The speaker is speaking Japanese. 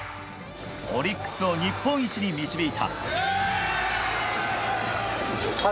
オリックスを日本一に導いた。